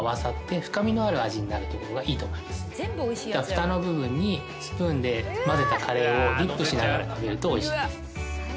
ふたの部分にスプーンで混ぜたカレーをディップしながら食べるとおいしいです。